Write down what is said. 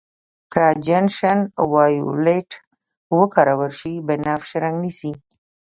که جنشن وایولېټ وکارول شي بنفش رنګ نیسي.